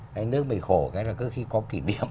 cái nước mình khổ cái là cứ khi có kỉ niệm